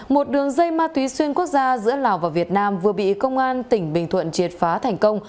một đường dây ma túy xuyên quốc gia giữa lào và việt nam vừa bị công an tỉnh bình thuận triệt phá thành công